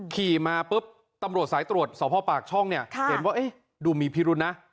ขี่มาปุ๊บตำรวจสายตรวจสพปากช่องเนี่ยเห็นว่าเอ๊ะดูมีพิรุษนะ